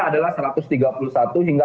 adalah satu ratus tiga puluh satu hingga